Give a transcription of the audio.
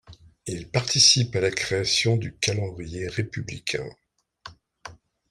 Il participe à la création du Calendrier républicain.